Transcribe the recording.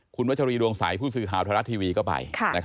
คุณวัชรีดวงสายผู้สื่อข่าวทรัศน์ทีวีก็ไป